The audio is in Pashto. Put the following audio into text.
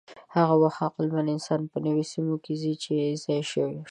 هغه وخت عقلمن انسانان په نویو سیمو کې ځای پر ځای شول.